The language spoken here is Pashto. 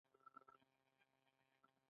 آیا کلتوري میراثونه اقتصاد ته ګټه لري؟